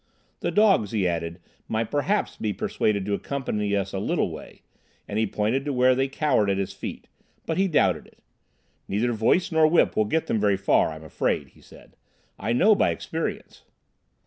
The dogs, he added, might perhaps be persuaded to accompany us a little way—and he pointed to where they cowered at his feet—but he doubted it. "Neither voice nor whip will get them very far, I'm afraid," he said. "I know by experience."